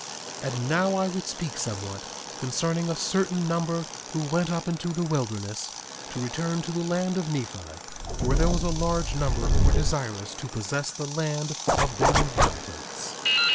1:27 And now I would speak somewhat concerning a certain number who went up into the wilderness to return to the land of Nephi; for there was a large number who were desirous to possess the land of their inheritance.